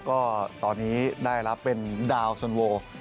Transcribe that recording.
ก็ตอนนี้ได้รับเป็นดาวสันโว